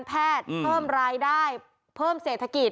แต่ว่าถ้ามุมมองในทางการรักษาก็ดีค่ะ